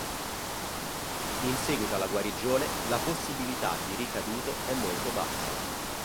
In seguito alla guarigione la possibilità di ricadute è molto bassa.